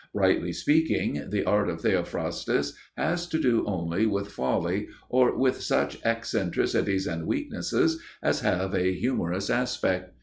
Rightly speaking, the art of Theophrastus has to do only with folly or with such eccentricities and weaknesses as have a humorous aspect.